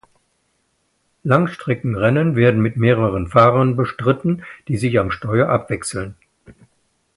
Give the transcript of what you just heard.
Langstreckenrennen werden mit mehreren Fahrern bestritten, die sich am Steuer abwechseln.